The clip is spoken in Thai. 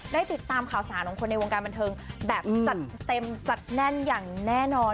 ได้ติดตามข่าวสารของคนในวงการบันเทิงแบบจัดเต็มจัดแน่นอย่างแน่นอน